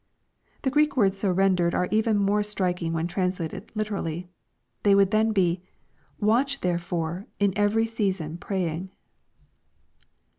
] The Greek words so rendered are even more striking when translated Uterally. They would then be, " watch therefore, in every season praying."